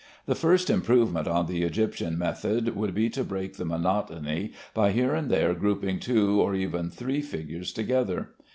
The first improvement on the Egyptian method would be to break the monotony by here and there grouping two or even three figures together.